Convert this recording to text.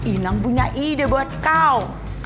inang punya ide buat kau